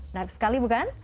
nah sekali bukan